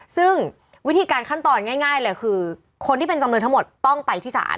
ซึ่งวิธีการขั้นตอนง่ายเลยคือคนที่เป็นจำเลยทั้งหมดต้องไปที่ศาล